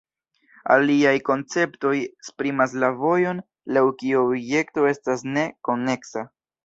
Aliaj konceptoj esprimas la vojon laŭ kiu objekto estas "ne" koneksa.